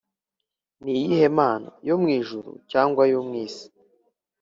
Ni iyihe mana yo mu ijuru cyangwa yo mu isi